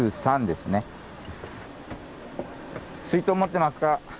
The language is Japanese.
水筒持っていますか？